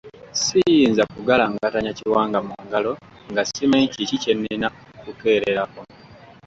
Siyinza kugalangatanya kiwanga mu ngalo nga simanyi kiki kye nnina kukeererako.